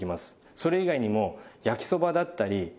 それ以外にも焼きそばだったりあとですね